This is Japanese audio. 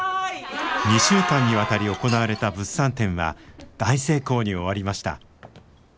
２週間にわたり行われた物産展は大成功に終わりました。